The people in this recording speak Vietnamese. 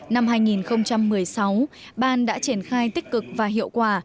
năm hai nghìn một mươi sáu ban đã triển khai tích cực và hiệu quả